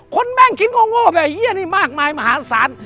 คนแม่งคิดโง่โง่แบบไอ้เฮียนี่มากมายมหาศาล